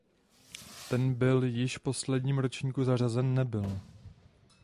Ten byl již v posledním ročníku zařazen nebyl.